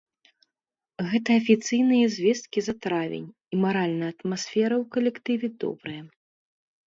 Гэта афіцыйныя звесткі за травень і маральная атмасфера ў калектыве добрая.